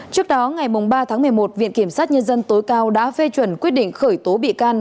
trước đó ngày ba tháng một mươi một viện kiểm sát nhân dân tối cao đã phê chuẩn quyết định khởi tố bị can